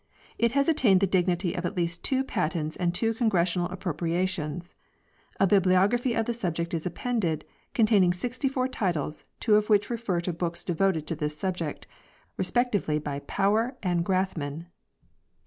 It has attained the dignity of at least two patents and two congressional appro priations. A bibliography of the subject is appended, contain ing 64 titles, two of which refer to books devoted to this subject, respectively by Power and Gathman.